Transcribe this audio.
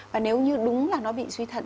và nếu như đúng là nó bị suy thận